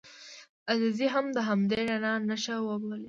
عزیزي هم د همدې رڼا نښه وبولو.